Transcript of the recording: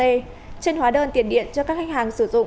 trên hóa đơn tiền điện cho các khách hàng sử dụng